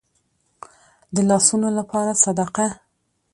د لاسونو لپاره صدقه.